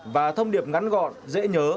và thông điệp ngắn gọn dễ nhớ